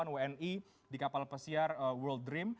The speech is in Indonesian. satu ratus delapan puluh delapan wni di kapal pesiar world dream